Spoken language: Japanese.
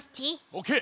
オッケー。